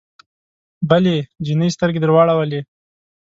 بلې جینۍ سترګې درواړولې